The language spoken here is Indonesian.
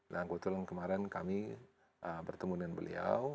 nah kebetulan kemarin kami bertemu dengan beliau